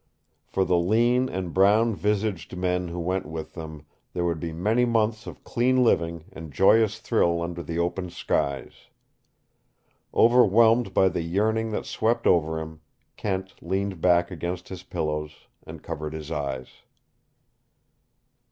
For the lean and brown visaged men who went with them there would be many months of clean living and joyous thrill under the open skies. Overwhelmed by the yearning that swept over him, Kent leaned back against his pillows and covered his eyes.